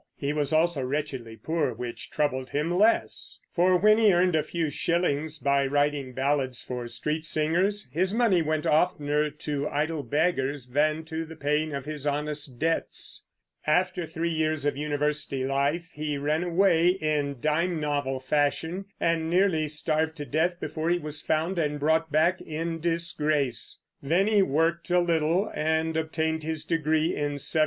He was also wretchedly poor, which troubled him less; for when he earned a few shillings by writing ballads for street singers, his money went oftener to idle beggars than to the paying of his honest debts. After three years of university life he ran away, in dime novel fashion, and nearly starved to death before he was found and brought back in disgrace. Then he worked a little, and obtained his degree in 1749.